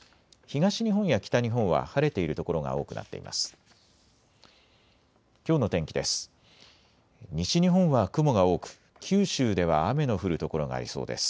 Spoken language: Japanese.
東日本や北日本は晴れている所が多くなっています。